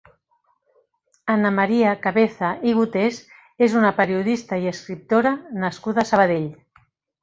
Anna Maria Cabeza i Gutés és una periodista i escriptora nascuda a Sabadell.